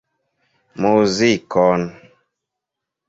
Muzikon.